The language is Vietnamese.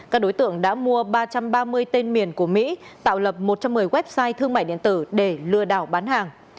các đối tượng đã mua ba trăm ba mươi tên miền của mỹ tạo lập một trăm một mươi website thương mại điện tử để lừa đảo bán hàng